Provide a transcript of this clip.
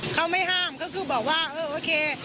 เขาไม่ห้ามเขาคือบอกว่าเออโอเค